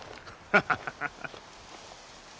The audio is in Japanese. ハハハハハ。